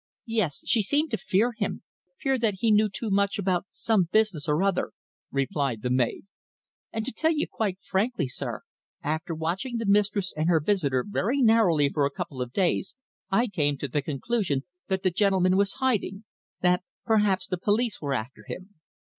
"Yes; she seemed to fear him fear that he knew too much about some business or other," replied the maid. "And to tell you quite frankly, sir, after watching the mistress and her visitor very narrowly for a couple of days I came to the conclusion that the gentleman was hiding that perhaps the police were after him."